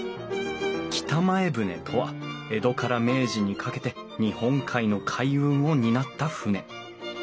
北前船とは江戸から明治にかけて日本海の海運を担った船。